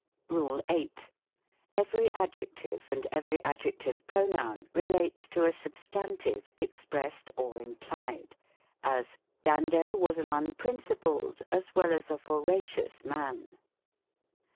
RULE VIII, Every adjective, and every adjective pronoun, re lates to a substantive, expressed or implied : as, "Dan do was an unprincipled, as well as a voracious man."